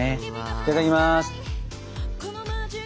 いただきます。